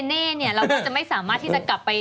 ก็คือถ้าเน่เนี่้เราก็จะไม่สามารถที่จะกลับไป